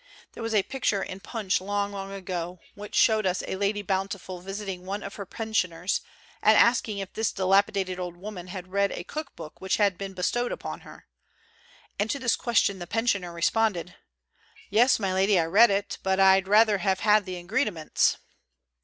There was a picture in Punch long, long ago, which showed us a Lady Bountiful visiting one of her pensioners and asking if this dilapidated old woman had read a cook book which had been bestowed upon her. And to this question the pensioner responded, "Yes, my lady, I read it, but I'd rather have had the ingridiments."